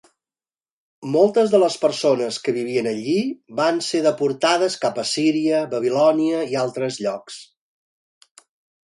Moltes de les persones que vivien allí van ser deportades cap a Assíria, Babilònia i altres llocs.